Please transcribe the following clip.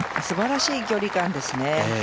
すばらしい距離感ですね。